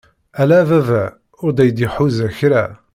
Ala a baba ur d ay-d-iḥuza kra!